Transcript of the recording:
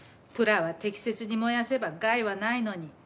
プラは適切に燃やせば害はないのに。